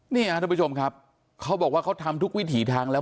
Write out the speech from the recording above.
ท่านผู้ชมครับเขาบอกว่าเขาทำทุกวิถีทางแล้ว